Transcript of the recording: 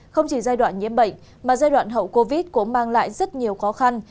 không chỉ giai đoạn nhiễm bệnh mà giai đoạn hậu covid cũng mang lại rất nhiều khó khăn